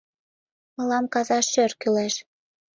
Мылам каза шӧр кӱлеш.